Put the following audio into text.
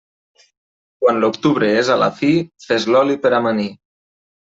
Quan l'octubre és a la fi, fes l'oli per amanir.